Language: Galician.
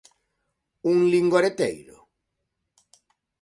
¿Un lingoreteiro?